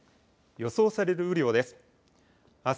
予想される雨量です。